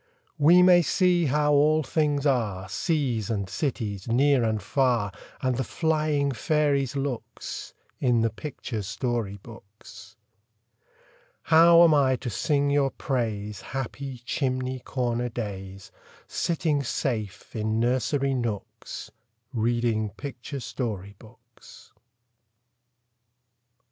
We may see how all things are, Seas and cities, near and far, And the flying fairies' looks, In the picture story books. How am I to sing your praise, Happy chimney corner days, Sitting safe in nursery nooks, Reading picture story books?